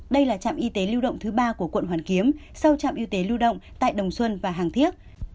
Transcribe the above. đây là trạm y tế lưu động thứ ba của quận hoàn kiếm sau trạm y tế lưu động tại đồng xuân và hàng thiết